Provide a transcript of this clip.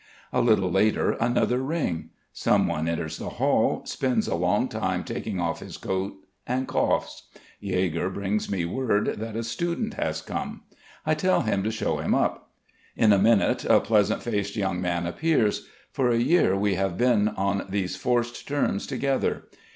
A little later another ring. Someone enters the hall, spends a long time taking off his coat and coughs. Yegor brings me word that a student has come. I tell him to show him up. In a minute a pleasant faced young man appears. For a year we have been on these forced terms together.